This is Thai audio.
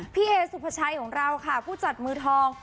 พี่เอสุภาชัยของเราค่ะผู้จัดมือทอง